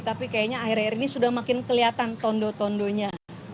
tapi kayaknya akhir akhir ini sudah makin kelihatan tondo tondonya